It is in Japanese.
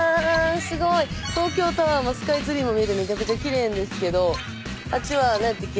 すごい。東京タワーもスカイツリーも見えるんでめちゃくちゃ奇麗ですけどあっちは何やったっけ？